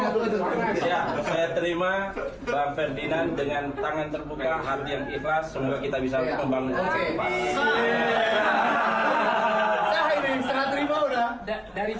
saya terima bang ferdinand dengan tangan terbuka hati yang ikhlas